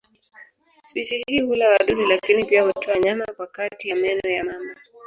Spishi hii hula wadudu lakini pia hutoa nyama kwa kati ya meno ya mamba.